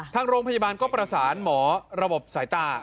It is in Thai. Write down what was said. ทางโรงพยาบาลก็ประสานหมอระบบสายตา